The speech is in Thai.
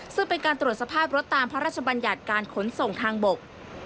ซึ่งเป็นการตรวจสภาพรถตามพระราชบัญญัติการขนส่งทางบก